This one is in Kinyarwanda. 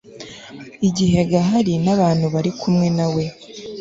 igihe gahali n'abantu bari kumwe na we